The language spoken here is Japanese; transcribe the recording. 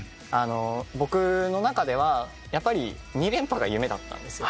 僕の中では２連覇が夢だったんですよ。